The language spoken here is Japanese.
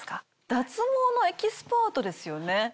脱毛のエキスパートですよね？